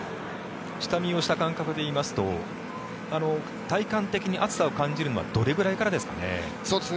下見をした感覚でいいますと体感的に暑さを感じるのはどれくらいからですかね？